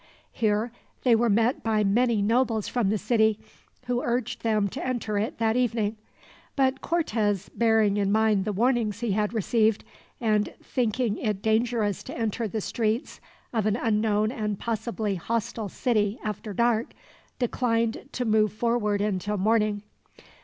Here they were met by many nobles from the city, who urged them to enter it that evening; but Cortez, bearing in mind the warnings he had received, and thinking it dangerous to enter the streets of an unknown and possibly hostile city after dark, declined to move forward until morning.